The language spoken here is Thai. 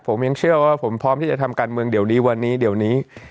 ผมยังเชื่อว่าผมพร้อมที่จะทำการเมืองเดี๋ยวนี้วันนี้เดี๋ยวนี้